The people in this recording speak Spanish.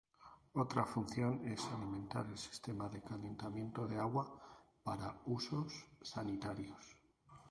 Otra función es alimentar el sistema de calentamiento de agua para usos sanitarios.